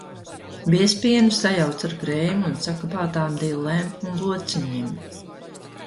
Biezpienu sajauc ar krējumu un sakapātām dillēm un lociņiem.